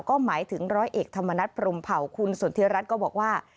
ก็หมายถึงร้อยเอกธรรมนัฐพรมเผาคุณสนทิรัฐก็บอกว่า